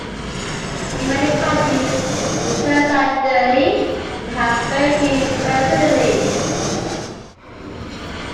In many countries, the cells are dirty and have very few facilities.